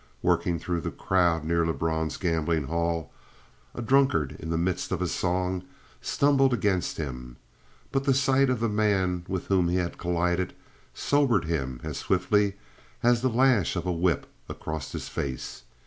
Working through the crowd near Lebrun's gambling hall, a drunkard in the midst of a song stumbled against him. But the sight of the man with whom he had collided, sobered him as swiftly as the lash of a whip across his face.